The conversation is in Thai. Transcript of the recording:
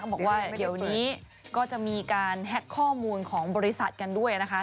บอกว่าเดี๋ยวนี้ก็จะมีการแฮ็กข้อมูลของบริษัทกันด้วยนะคะ